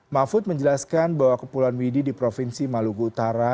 mahfud menjelaskan bahwa kepulauan widi di provinsi maluku utara